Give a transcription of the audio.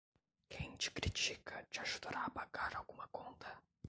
Quem te critica, te ajudará a pagar alguma conta?